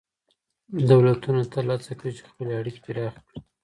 دولتونه تل هڅه کوي چې خپلې اړيکې پراخې کړي.